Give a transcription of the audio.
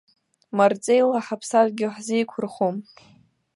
Марҵеила ҳаԥсадгьыл ҳзеиқәырхом.